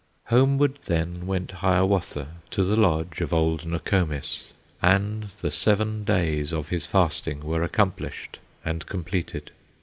Homeward then went Hiawatha To the lodge of old Nokomis, And the seven days of his fasting Were accomplished and completed.